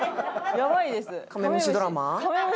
やばいです。